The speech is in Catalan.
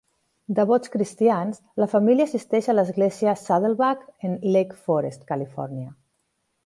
Devots cristians, la família assisteix a l'Església Saddleback en Lake Forest, Califòrnia.